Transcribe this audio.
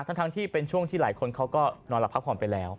ทั้งที่เป็นช่วงที่หลายคนเขาก็นอนหลับพักผ่อนไปแล้ว